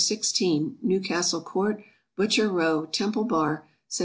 16, Newcastle court, Butcher row, Temple bar, Sept.